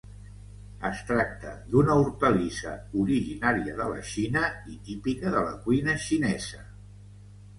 Es tracta d’una hortalissa originària de la Xina i típica de la cuina xinesa.